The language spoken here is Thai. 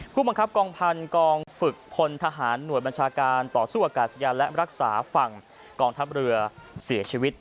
ผู้บังคับกองพันธุ์กองฝึกพลทหารหน่วยบัญชาการต่อสู้อากาศยานและรักษาฝั่งกองทัพเรือเสียชีวิต